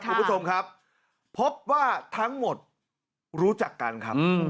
คุณผู้ชมครับพบว่าทั้งหมดรู้จักกันครับ